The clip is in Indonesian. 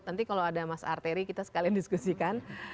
nanti kalau ada mas arteri kita sekalian diskusikan